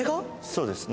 そうですね。